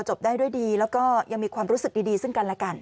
จบได้ด้วยดีแล้วก็ยังมีความรู้สึกดีซึ่งกันและกัน